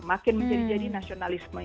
makin menjadi nasionalisme